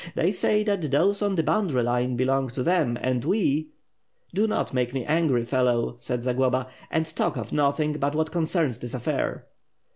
They say that those on the boundary line belong to them, and we "Do not make me angry, fellow!" said Zagloba. "And talk of nothing but what concerns this affair."